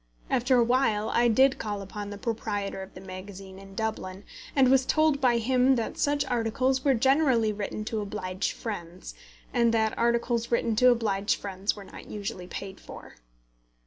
After a while I did call upon the proprietor of the magazine in Dublin, and was told by him that such articles were generally written to oblige friends, and that articles written to oblige friends were not usually paid for.